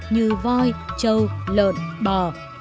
như voi trâu lợn bò